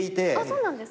そうなんですか。